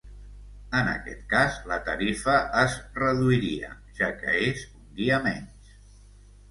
En aquest cas, la tarifa es reduiria, ja que és un dia menys.